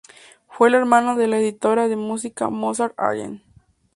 Fue la hermana de la editora de música Mozart Allen.